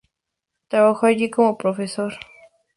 Trabajó allí como profesor.